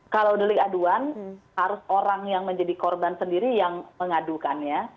kalau delik aduan harus orang yang menjadi korban sendiri yang mengadukannya